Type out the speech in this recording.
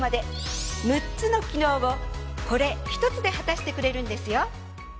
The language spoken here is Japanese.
６つの機能をこれ１つで果たしてくれるんですよ。